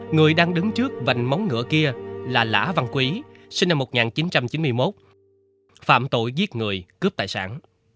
người đang đứng trước vành móng ngựa kia là lã văn quý sinh năm một nghìn chín trăm chín mươi một phạm tội giết người cướp tài sản